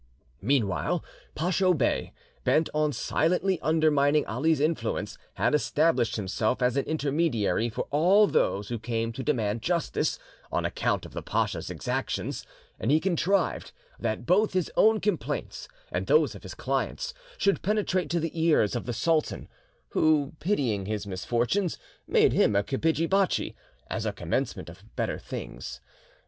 Meanwhile, Pacho Bey, bent on silently undermining Ali's influence; had established himself as an intermediary for all those who came to demand justice on account of the pacha's exactions, and he contrived that both his own complaints and those of his clients, should penetrate to the ears of the sultan; who, pitying his misfortunes, made him a kapidgi bachi, as a commencement of better things.